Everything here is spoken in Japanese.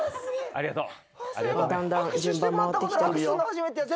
ありがとう。